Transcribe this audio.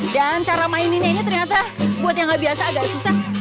cara maininnya ini ternyata buat yang gak biasa agak susah